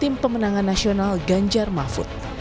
dari tim pemenangan nasional ganjar mafud